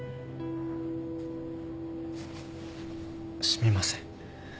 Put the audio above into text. すみません。